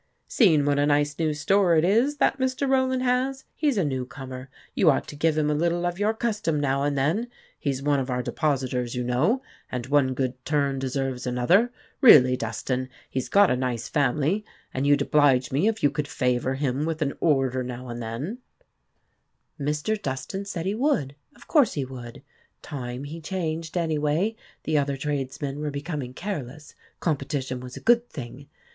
" Seen what a nice new store it is, that Mr. Rowland has? He 's a new comer. You ought to give him a little of your custom now and then ; he 's one of our depositors, you know, and one good turn deserves another ! Really, Dustan, he 's got a nice family, and you 'd oblige me if you could favor him with an order now and then." TEDDY AND THE WOLF 155 Mr. Dustan said he would of course, he would. Time he changed, anyway; the other tradesmen were becoming careless, com petition was a good thing